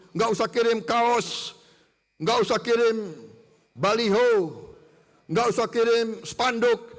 enggak usah kirim kaos enggak usah kirim baliho enggak usah kirim spanduk